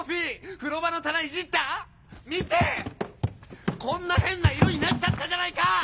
風呂場の棚いじった⁉見て‼こんな変な色になっちゃったじゃないか‼